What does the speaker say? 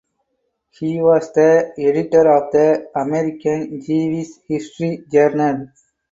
He was the editor of the "American Jewish History" journal.